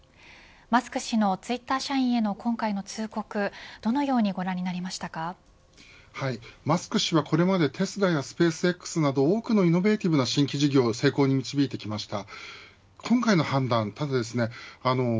マスク氏のツイッター社員への今回の通告マスク氏はこれまでテスラやスペースＸなど多くのイノベーティブな新規事業を成功に導いてきました。